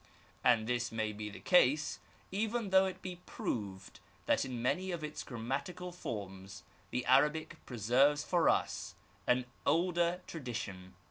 And this may be the case even though it be proved that in many of its grammatical forms the Arabic preserves for us an older tradi tion.